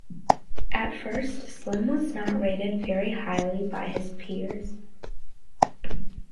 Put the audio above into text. At first Slim was not rated very highly by his peers.